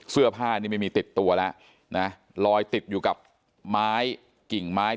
เสื้อผ้านี่ไม่มีติดตัวแล้วนะลอยติดอยู่กับไม้กิ่งไม้